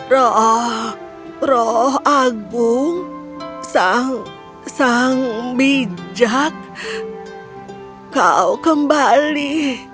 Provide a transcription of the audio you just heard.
rauh agung sang bijak kau kembali